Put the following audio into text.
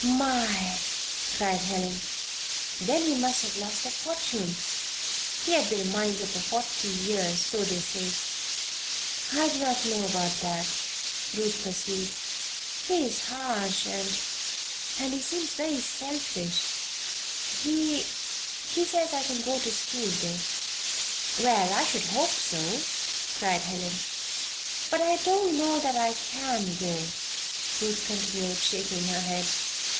"My!" cried Helen. "Then he must have lost a fortune! He has been a miser for forty years, so they say." "I do not know about that," Ruth pursued. "He is harsh and and he seems to be very selfish. He he says I can go to school, though." "Well, I should hope so!" cried Helen. "But I don't know that I can go," Ruth continued, shaking her head.